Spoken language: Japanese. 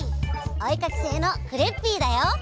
おえかきせいのクレッピーだよ！